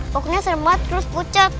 pokoknya serba terus pucat